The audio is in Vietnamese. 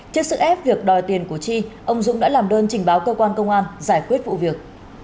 trước sức ép việc đòi tiền của chi ông dũng đã làm đơn trình báo cơ quan công an giải quyết vụ việc